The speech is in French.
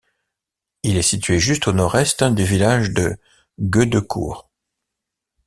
Il est situé juste au nord-est du village de Gueudecourt.